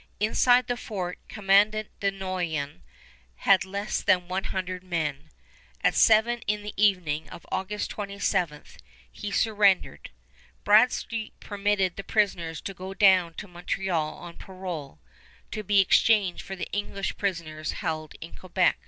Inside the fort Commandant de Noyan had less than one hundred men. At seven in the evening of August 27 he surrendered. Bradstreet permitted the prisoners to go down to Montreal on parole, to be exchanged for English prisoners held in Quebec.